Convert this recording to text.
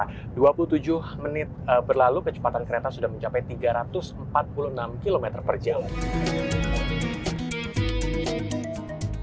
karena dua puluh tujuh menit berlalu kecepatan kereta sudah mencapai tiga ratus empat puluh enam km per jam